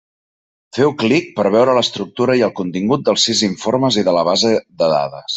Feu clic per veure l'estructura i el contingut dels sis informes i de la base de dades.